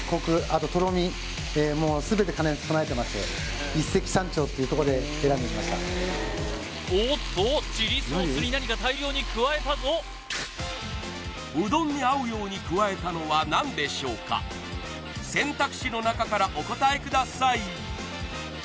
あととろみ全て兼ね備えてまして一石三鳥っていうとこで選んでみましたおっとチリソースに何か大量に加えたぞうどんに合うように加えたのは何でしょうか選択肢のなかからお答えください